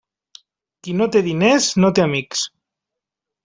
Qui no té diners, no té amics.